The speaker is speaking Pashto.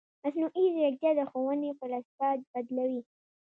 مصنوعي ځیرکتیا د ښوونې فلسفه بدلوي.